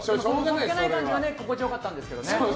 そっけない感じが心地良かったんですけどね。